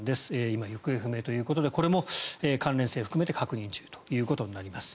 今、行方不明ということでこれも関連性を含めて確認中となります。